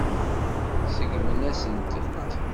Seggmen-asen-tent.